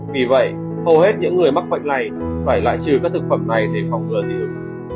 vì vậy hầu hết những người mắc bệnh này phải lại trừ các thực phẩm này để phòng yến